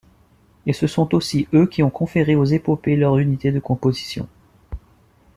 Et ce sont aussi eux qui ont conféré aux épopées leur unité de composition.